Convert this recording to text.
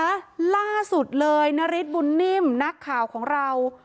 ล่าสุดเลยนาริสบุญนิ่มนักข่าวของเรา